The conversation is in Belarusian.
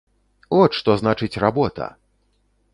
От што значыць работа!